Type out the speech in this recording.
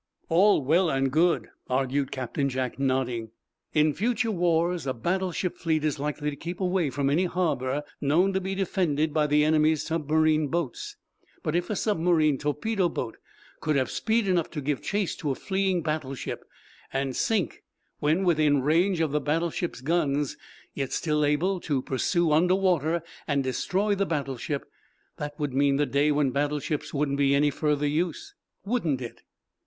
"All well and good," argued Captain Jack, nodding. "In future wars a battleship fleet is likely to keep away from any harbor known to be defended by the enemy's submarine boats. But, if a submarine torpedo boat could have speed enough to give chase to a fleeing battleship, and sink when within range of the battleship's guns, yet still be able to pursue, under water, and destroy the battleship, that would mean the day when battleships wouldn't be of any further use, wouldn't it?"